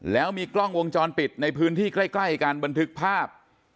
แล้วมีกล้องวงจรปิดในพื้นที่ใกล้กันบันทึกภาพ